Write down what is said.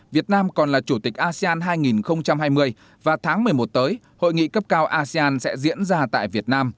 việt nam còn là chủ tịch asean hai nghìn hai mươi và tháng một mươi một tới hội nghị cấp cao asean sẽ diễn ra tại việt nam